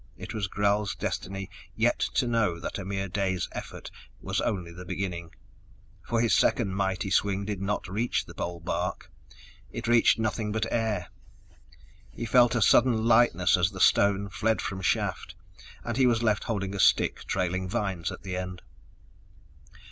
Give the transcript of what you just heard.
It was Gral's destiny yet to know that a mere day's effort was only the beginning. For his second mighty swing did not reach the bole bark. It reached nothing but air. He felt a sudden lightness as the stone fled from shaft, and he was left holding a stick trailing vines at the end.